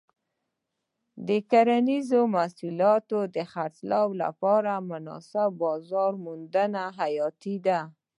د کرنیزو محصولاتو د خرڅلاو لپاره مناسب بازار موندنه حیاتي ده.